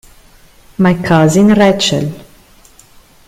My Cousin Rachel